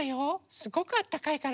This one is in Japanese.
すごくあったかいから。